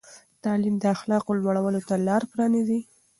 تعلیم د اخلاقو لوړولو ته لار پرانیزي.